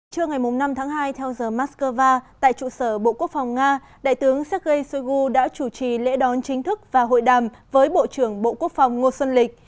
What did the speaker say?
trưa ngày năm tháng hai theo giờ moscow tại trụ sở bộ quốc phòng nga đại tướng sergei shoigu đã chủ trì lễ đón chính thức và hội đàm với bộ trưởng bộ quốc phòng ngô xuân lịch